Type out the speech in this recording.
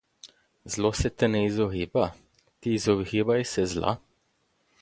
Zlo se te ne izogiba, ti izogibaj se zla.